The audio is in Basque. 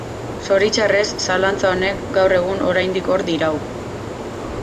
Zoritxarrez zalantza honek, gaur egun oraindik hor dirau.